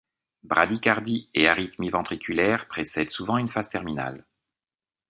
Bradycardie et arythmies ventriculaires précèdent souvent une phase terminale.